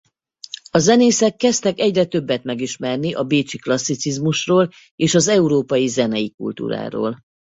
A zenészek kezdtek egyre többet megismerni a bécsi klasszicizmusról és az európai zenei kultúráról.